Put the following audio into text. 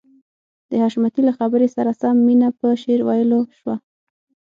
د حشمتي له خبرې سره سم مينه په شعر ويلو شوه.